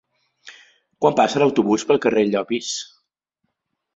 Quan passa l'autobús pel carrer Llopis?